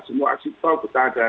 semua exit tol kita jadah